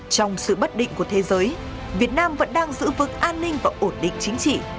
trong sự bất định của thế giới việt nam vẫn đang giữ vực an ninh và ổn định chính trị